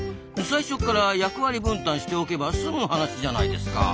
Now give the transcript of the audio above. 最初から役割分担しておけば済む話じゃないですか。